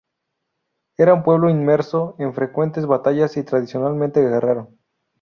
Era un pueblo inmerso en frecuentes batallas y tradicionalmente guerrero.